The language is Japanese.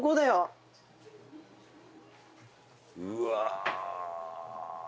うわ。